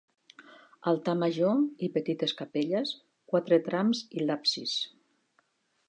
Altar major i petites capelles, quatre trams i l'absis.